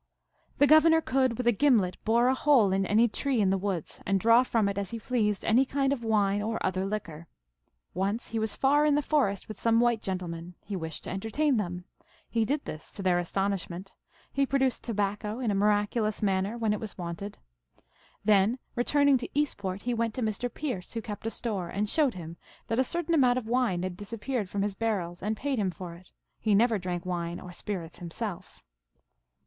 " The governor could with a gimlet bore a hole in any tree in the woods, and draw from it as he pleased any kind of wine or other liquor. Once he was far in the forest with some white gentlemen ; he wished to entertain them. He did this, to their astonishment. He produced tobacco in a miraculous manner when it was wanted. Then, returning to Eastport, he went to Mr. Pearce, who kept a store, and showed him that a certain amount of wine had disappeared from his bar rels, and paid him for it. He never drank wine or spirits himself.